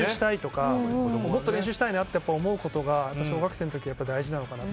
もっと練習したいなって思うことが小学生の時は大事なのかなと。